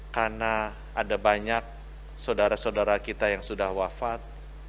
karena ada banyak saudara saudara kita yang sudah wafat